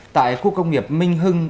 tại khu công nghiệp minh hưng